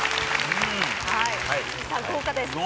豪華です。